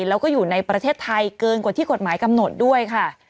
แล้วก็อยู่ในประเทศไทยเกินกว่าที่กฎหมายกำหนดด้วยค่ะ